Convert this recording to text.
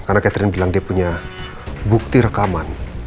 karena catherine bilang dia punya bukti rekaman